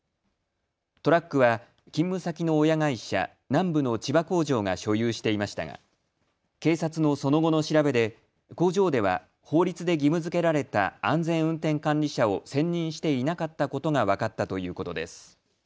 トラックは勤務先の親会社南武の千葉工場が所有していましたが警察のその後の調べで工場では法律で義務づけられた安全運転管理者を選任していなかったことが分かったということです。